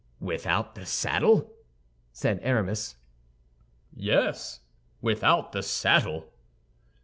"Without the saddle?" said Aramis. "Yes, without the saddle."